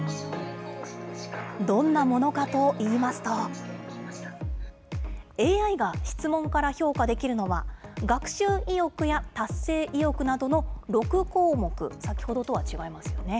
どんなものかといいますと、ＡＩが質問から評価できるのは、学習意欲や達成意欲などの６項目、先ほどとは違いますよね。